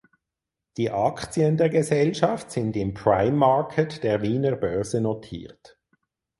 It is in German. Die Aktien der Gesellschaft sind im "Prime Market" der Wiener Börse notiert.